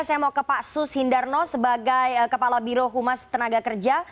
saya mau ke pak sus hindarno sebagai kepala biro humas tenaga kerja